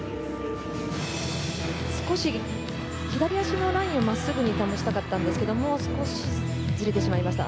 少し、左脚のラインを真っすぐ保ちたかったですが少しずれてしまいました。